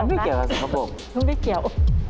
มันไม่เกี่ยวกับสกปรกต้องได้เกี่ยว